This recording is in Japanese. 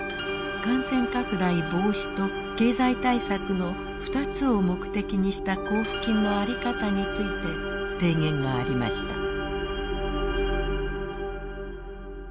感染拡大防止と経済対策の２つを目的にした交付金のあり方について提言がありました。